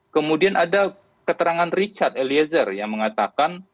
kemudian ada keterangan richard eliezer yang mengatakan